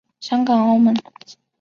香港澳门